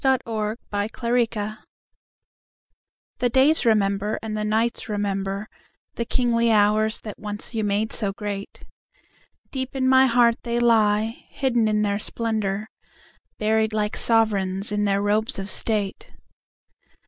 The Nights Remember The days remember and the nights remember The kingly hours that once you made so great, Deep in my heart they lie, hidden in their splendor, Buried like sovereigns in their robes of state.